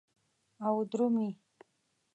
او درومې